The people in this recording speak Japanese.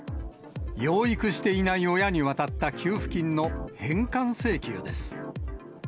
養育していない親に渡った給付金の返還請求です。